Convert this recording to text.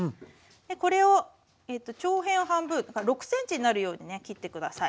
これを長辺を半分６ｃｍになるようにね切って下さい。